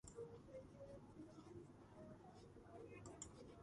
ტბასთან ახლოს მდებარეობს იმნათის ტორფის საბადო.